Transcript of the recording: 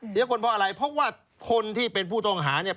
เสียคนเพราะอะไรเพราะว่าคนที่เป็นผู้ต้องหาเนี่ย